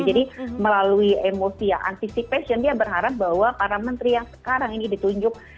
jadi melalui emosi ya anticipation dia berharap bahwa para menteri yang sekarang ini ditunjuk